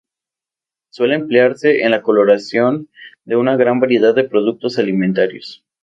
Suele emplearse en la coloración de una gran variedad de productos alimentarios.